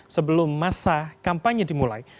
sebelum masa kampanye dimulai